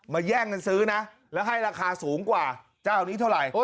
แย่งกันซื้อนะแล้วให้ราคาสูงกว่าเจ้านี้เท่าไหร่